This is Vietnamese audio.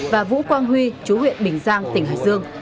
và vũ quang huy chú huyện bình giang tỉnh hải dương